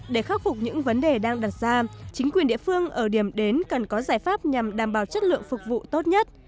để khắc phục những vấn đề đang đặt ra chính quyền địa phương ở điểm đến cần có giải pháp nhằm đảm bảo chất lượng phục vụ tốt nhất